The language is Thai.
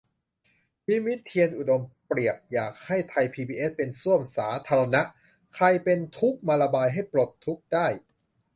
นิมิตร์ เทียนอุดม เปรียบ อยากให้ไทยพีบีเอสเป็นส้วมสาธารณะ ใครเป็นทุกข์มาระบายให้ปลดทุกข์ได้